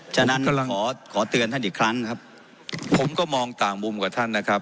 ฉะนั้นขอขอเตือนท่านอีกครั้งครับผมก็มองต่างมุมกับท่านนะครับ